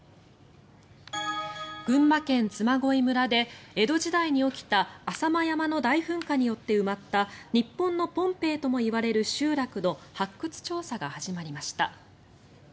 群馬県嬬恋村で江戸時代に起きた浅間山の大噴火によって埋まった日本のポンペイともいわれる集落の発掘調査が始まりました。